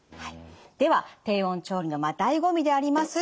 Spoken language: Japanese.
では低温調理のだいご味であります